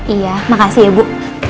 iya makasih ya bu